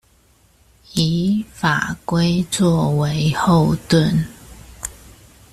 以法規作為後盾